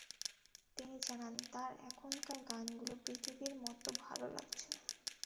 তিনি জানান, তার এখানকার গানগুলো পৃথিবীর মত ভাল লাগছে না।